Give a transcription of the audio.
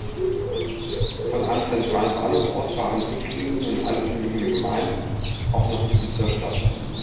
Von einem zentralen Bahnhof aus fahren Buslinien in alle umliegenden Gemeinden, auch nach Ibiza-Stadt.